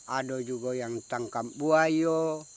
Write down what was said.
ada juga yang tangkap buah itu